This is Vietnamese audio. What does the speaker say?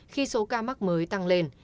khi số ca mắc mới tăng lên